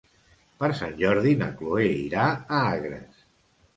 Per Sant Jordi na Chloé irà a Agres.